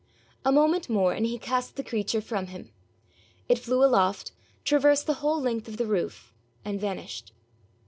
A moment more and he cast the creature from him. It flew aloft, traversed the whole length of the roof, and vanished.